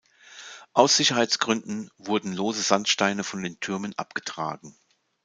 Aus Sicherheitsgründen wurden lose Sandsteine von den Türmen abgetragen.